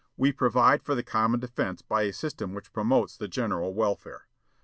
_We provide for the common defence by a system which promotes the general welfare....